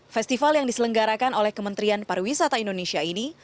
festival yang diselenggarakan oleh kementerian pariwisata indonesia ini